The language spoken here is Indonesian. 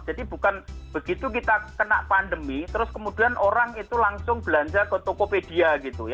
jadi bukan begitu kita kena pandemi terus kemudian orang itu langsung belanja ke tokopedia gitu